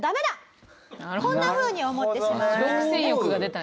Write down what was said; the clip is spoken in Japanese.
こんなふうに思ってしまうんですね。